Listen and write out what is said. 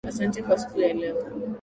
Asante kwa siku ya leo.